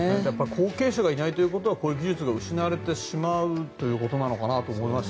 後継者がいないということはこういう技術が失われてしまうということなのかなと思います。